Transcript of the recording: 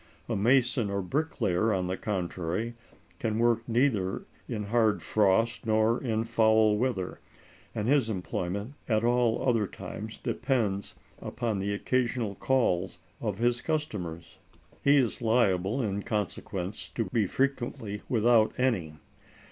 A mason or brick layer, on the contrary, can work neither in hard frost nor in foul weather, and his employment at all other times depends upon the occasional calls of his customers. He is liable, in consequence, to be frequently without any.